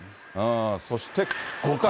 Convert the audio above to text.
そして５回。